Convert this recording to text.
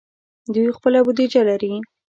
دوی خپله بودیجه لري.